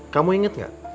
kamu inget gak